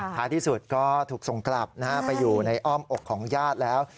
ท้ายที่สุดก็ถูกส่งกลับไปอยู่ในอ้อมอกของญาติแล้ว